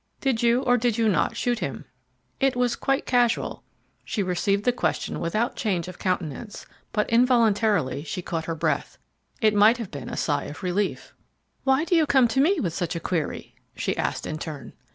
"Did you, or did you not, shoot him?" It was quite casual. She received the question without change of countenance, but involuntarily she caught her breath. It might have been a sigh of relief. "Why do you come to me with such a query?" she asked in turn.